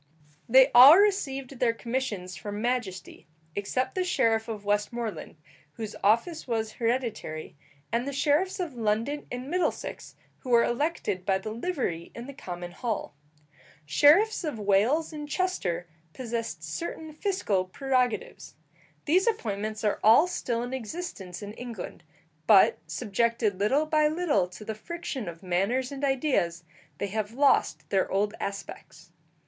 They all received their commissions from majesty, except the sheriff of Westmoreland, whose office was hereditary, and the sheriffs of London and Middlesex, who were elected by the livery in the common hall. Sheriffs of Wales and Chester possessed certain fiscal prerogatives. These appointments are all still in existence in England, but, subjected little by little to the friction of manners and ideas, they have lost their old aspects.